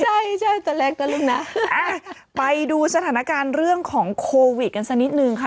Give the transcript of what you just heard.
ใช่ใช่แต่เล็กนะลูกนะไปดูสถานการณ์เรื่องของโควิดกันสักนิดนึงค่ะ